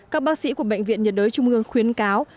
các bác sĩ của bệnh viện nhiệt đới trung ương khuyến cáo